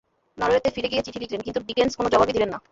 নরওয়েতে ফিরে গিয়ে চিঠি লিখলেন, কিন্তু ডিকেন্স কোনো জবাবই দিলেন না।